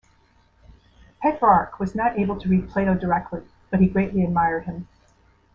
Petrarch was not able to read Plato directly, but he greatly admired him.